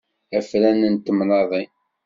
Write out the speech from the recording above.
Afran n temnaḍin.